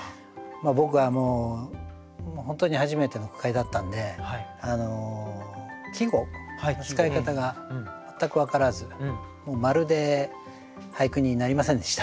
僕はもう本当に初めての句会だったんで季語の使い方が全く分からずまるで俳句になりませんでした。